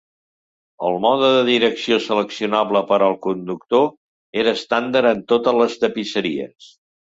El Mode de Direcció Seleccionable per al Conductor era estàndard en totes les tapisseries.